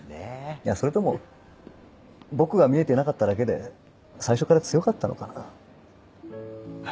いやそれとも僕が見えてなかっただけで最初から強かったのかな。